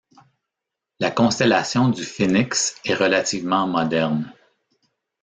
La constellation du Phénix est relativement moderne.